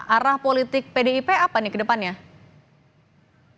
arah politik pdip apa nih ke depannya